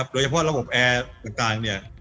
โดยเฉพาะระบบแอร์ต่างเนี่ย